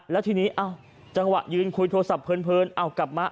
แล้วทีนี้จังหวะยืนคุยโทรศัพท์เพลินเอากลับมา